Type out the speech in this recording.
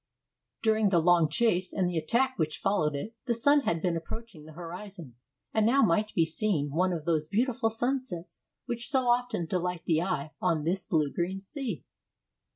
During the long chase and the attack which followed it, the sun had been approaching the horizon, and now might be seen one of those beautiful sunsets which so often delight the eye on this blue green sea.